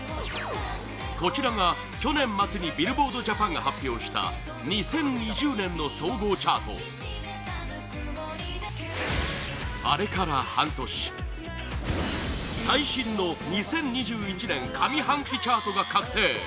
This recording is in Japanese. こちらが、去年末にビルボードジャパンが発表した２０２０年の総合チャートあれから半年最新の２０２１年上半期チャートが確定！